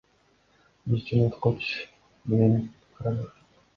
Биз чоңойткуч менен карадык.